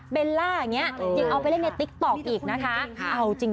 เบลล่า